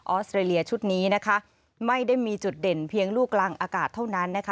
อสเตรเลียชุดนี้นะคะไม่ได้มีจุดเด่นเพียงลูกกลางอากาศเท่านั้นนะคะ